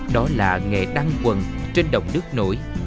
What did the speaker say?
đó là nghề đăng quần trên đồng nước nổi